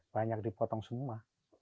banyak dipotong semua